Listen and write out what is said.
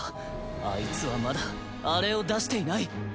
アイツはまだあれを出していない。